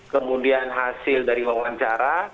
kemudian hasil dari wawancara